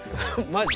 マジ？